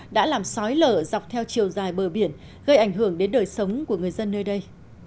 đã làm sói lở dọc theo chiều dài bờ biển gây ảnh hưởng đến đời sống của người dân nơi đây